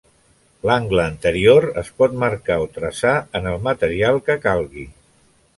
L'angle anterior es pot marcar o traçar en el material que calgui.